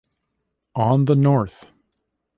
On the North.